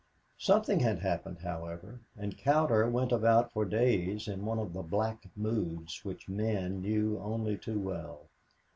Something had happened, however, and Cowder went about for days in one of the black moods which men knew only too well.